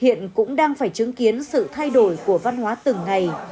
hiện cũng đang phải chứng kiến sự thay đổi của văn hóa từng ngày